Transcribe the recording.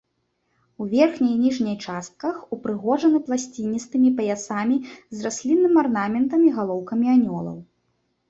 У верхняй і ніжняй частках упрыгожаны пласціністымі паясамі з раслінным арнаментам і галоўкамі анёлаў.